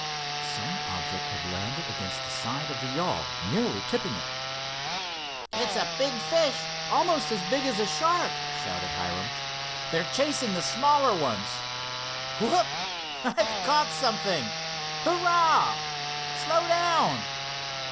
Some object had landed against the side of the yawl, nearly tipping it. "It's a big fish, almost as big as a shark!" shouted Hiram. "They're chasing the smaller ones. Whoop! I've caught something. Hurrah! Slow down!